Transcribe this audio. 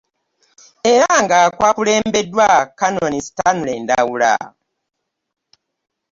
Era nga kwakulembeddwa Kanoni Stanley Ndawula